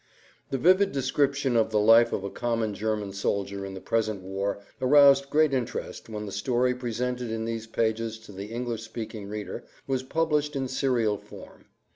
The vivid description of the life of a common German soldier in the present war aroused great interest when the story presented in these pages to the English speaking reader was published in serial form.